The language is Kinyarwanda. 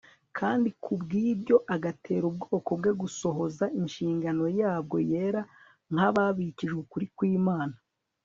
kandi kubw'ibyo agatera ubwoko bwe gusohoza inshingano yabwo yera nk'ababikijwe ukuri kw'imana